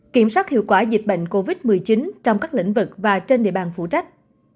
kiểm soát hiệu quả dịch bệnh covid một mươi chín trong các lĩnh vực và trên địa bàn phụ trách